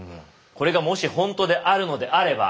これがもしほんとであるのであれば。